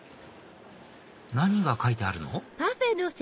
何が書いてあるの？